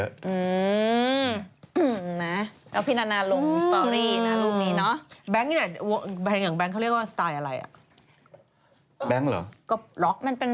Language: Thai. เอาพี่นานาลงสตอรี่นะ